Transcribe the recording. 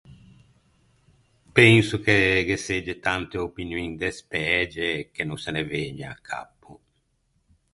Penso che ghe segge tante opinioin despæge che no se ne vëgne à cappo.